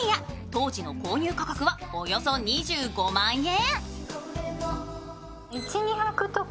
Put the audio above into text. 当時の購入価格はおよそ２５万円。